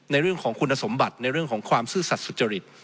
ในเรื่องของคุณสมบัติในเรื่องของความซื่อสัตว์สุจริต